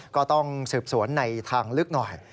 ก็ต้องสืบสวนในทางลึกหน่อย